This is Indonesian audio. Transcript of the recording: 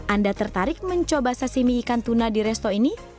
anda tertarik mencoba sasimi ikan tuna di resto ini